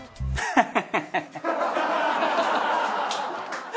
ハハハハ！